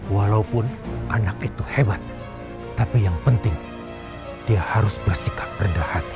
walaupun anak itu hebat tapi yang penting dia harus bersikap rendah hati